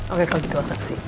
oke kalau gitu saksi